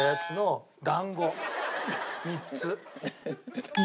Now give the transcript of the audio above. ３つ。